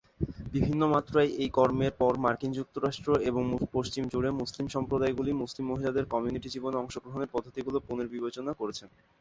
বিভিন্ন মাত্রায়, এই কর্মের পর মার্কিন যুক্তরাষ্ট্র এবং পশ্চিম জুড়ে মুসলিম সম্প্রদায়গুলি মুসলিম মহিলাদের কমিউনিটি জীবনে অংশগ্রহণের পদ্ধতিগুলি পুনর্বিবেচনা করেছে।